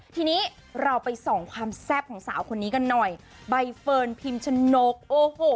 ทีนี้เราไปส่องความแซ่บของสาวคนนี้กันหน่อยใบเฟิร์นพิมชนกโอ้โห